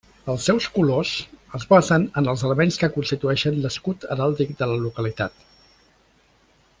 Els seus colors es basen en els elements que constitueixen l'escut heràldic de la localitat.